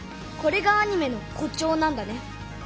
これがアニメの「誇張」なんだね。